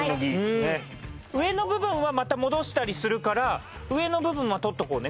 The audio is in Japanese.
上の部分はまた戻したりするから上の部分は取っとこうね。